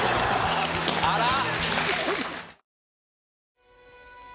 あら！